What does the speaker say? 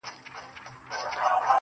پر ده به نو ايله پدر لعنت له مينې ژاړي,